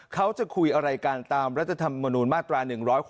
เขาจะคุยอะไรกันตามรัฐธรรมนูญมาตรา๑๖๖